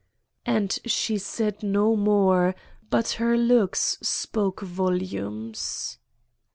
And she said no more, but her looks spoke volumes.